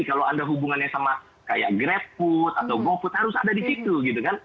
kalau anda hubungannya sama kayak grabfood atau gofood harus ada di situ gitu kan